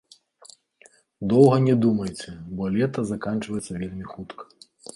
Доўга не думайце, бо лета заканчваецца вельмі хутка.